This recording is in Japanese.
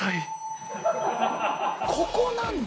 ここなんだ。